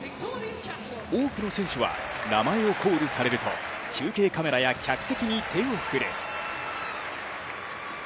多くの選手は名前をコールされると、中継カメラや客席に手を振る。